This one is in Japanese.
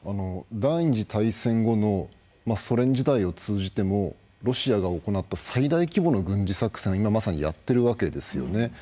第２次大戦後のソ連時代を通じてもロシアが行った最大規模の軍事作戦を今まさにやっているわけですよね。